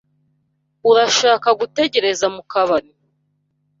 Urashaka gutegereza mu kabari?